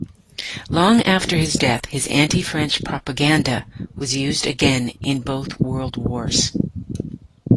Long after his death, his anti-French propaganda was used again, in both World Wars.